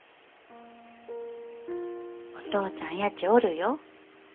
お父ちゃんやちおるよ。